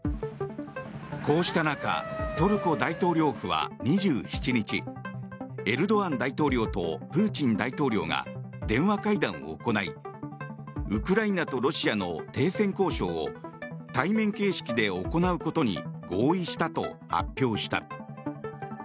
こうした中、トルコ大統領府は２７日エルドアン大統領とプーチン大統領が電話会談を行いウクライナとロシアの停戦交渉を対面形式で行うことに合意したと発表した。